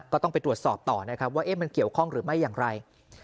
ก็ต้องไปตรวจสอบต่อนะครับว่ามันเกี่ยวข้องหรือไม่อย่างไร